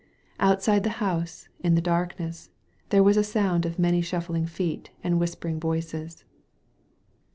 Outside the house, in the darkness, there was a sound of many shuffling feet and whispering voices.